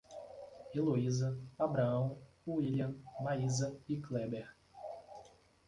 Eloiza, Abraão, Wílian, Maísa e Kléber